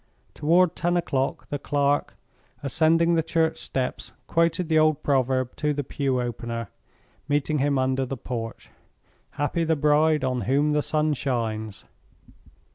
Toward ten o'clock, the clerk, ascending the church steps quoted the old proverb to the pew opener, meeting him under the porch: "Happy the bride on whom the sun shines!"